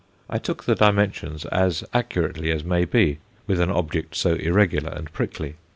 I took the dimensions as accurately as may be, with an object so irregular and prickly.